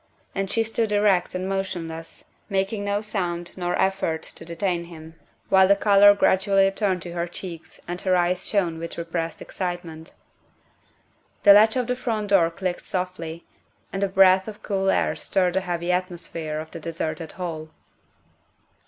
And she stood erect and motionless, making no sound nor effort to de tain him, while the color gradually returned to her cheeks and her eyes shone with repressed excitement. The latch of the front door clicked softly, and a breath of cool air stirred the heavy atmosphere of the deserted hall.